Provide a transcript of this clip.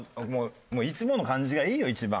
いつもの感じがいいのよ一番。